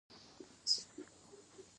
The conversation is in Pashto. د کیسې پیښې او ترتیب: